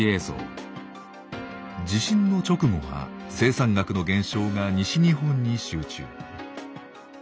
地震の直後は生産額の減少が西日本に集中。